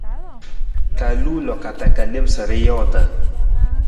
Ra luu loko ta lem sa ra joota.